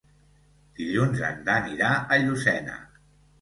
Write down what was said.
Dilluns en Dan irà a Llucena.